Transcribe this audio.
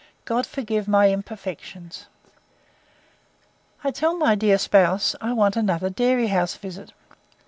God forgive my imperfections! I tell my dear spouse, I want another dairy house visit.